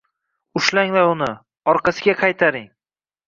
— Ushlanglar uni! Orqasiga qaytaring.